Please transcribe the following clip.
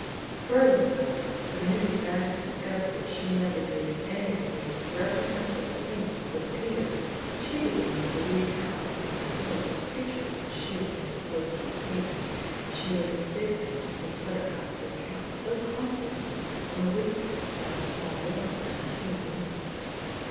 Furthermore, when Mrs. Baxter discovered that she never did any of these reprehensible things with Bill Peters, she began to believe cows more intelligent creatures than she had supposed them to be, and she was indignant to think Buttercup could count so confidently on the weakness of a small boy and a timid woman.